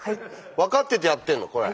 分かっててやってんのこれ。